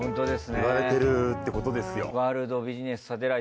言われてるってことですよ。